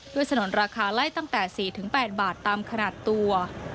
สนุนราคาไล่ตั้งแต่๔๘บาทตามขนาดตัว